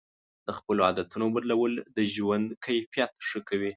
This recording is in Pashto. د خپلو عادتونو بدلول د ژوند کیفیت ښه کوي.